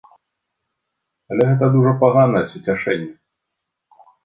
Але гэта дужа паганае суцяшэнне.